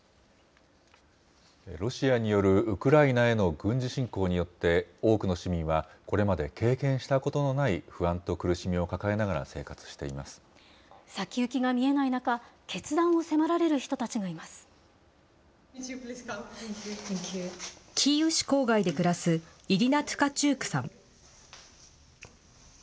ロシアによるウクライナへの軍事侵攻によって、多くの市民はこれまで経験したことのない不安と苦しみを抱えなが先行きが見えない中、決断をキーウ市郊外で暮らすイリナ・トゥカチュークさん。